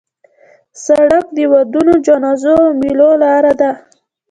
سړک د ودونو، جنازو او میلو لاره ده.